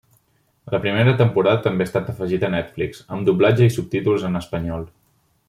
La primera temporada també ha estat afegida a Netflix amb doblatge i subtítols en espanyol.